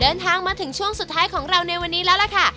เดินทางมาถึงช่วงสุดท้ายของเราในวันนี้แล้วล่ะค่ะ